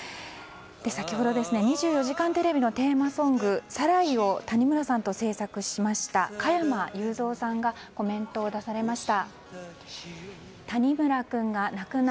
先ほど、「２４時間テレビ」のテーマソング「サライ」を谷村さんと制作しました加山雄三さんがコメントを出されました。